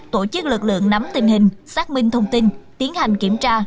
tổ chức lực lượng nắm tình hình xác minh thông tin tiến hành kiểm tra